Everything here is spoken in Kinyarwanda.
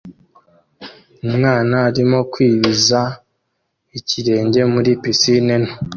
Umwana arimo kwibiza ikirenge muri pisine nto